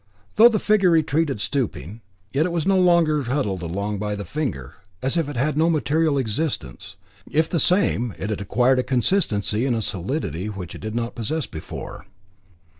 Though the figure retreated stooping, yet it was no longer huddled along by the finger, as if it had no material existence. If the same, it had acquired a consistency and a solidity which it did not possess before.